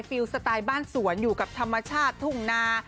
ฟลสไตล์บ้านสวนอยู่กับธรรมชาติทุ่งนา